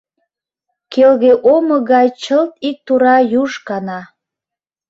Келге омо гай чылт иктура юж кана.